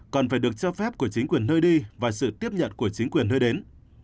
còn phải được cho phép của chính quyền nơi đi và sự tiếp nhận của chính quyền nơi đến